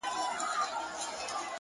جهاني دلته یو رنګي ده د کېمیا په بیه -